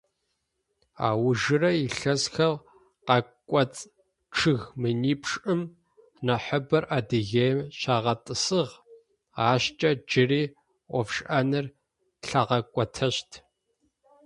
Аужырэ илъэсхэм къакӏоцӏ чъыг минипшӏым нахьыбэр Адыгеим щагъэтӏысыгъ, ащкӏэ джыри ӏофшӏэныр лъагъэкӏотэщт.